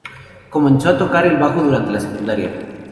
Comenzó a tocar el bajo durante la secundaria.